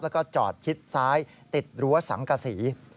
แล้วก็จอดชิดซ้ายติดรั้วสังกษี